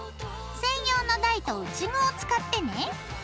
専用の台と打ち具を使ってね。